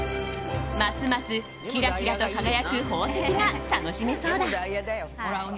ますますキラキラと輝く宝石が楽しめそうだ。